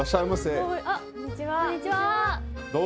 こんにちは。